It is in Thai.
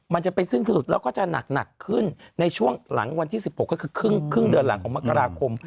มันจะไปสิ้นสุดแล้วก็จะหนักขึ้นในช่วงหลังวันที่๑๖ก็คือครึ่งเดือนหลังของมกราคม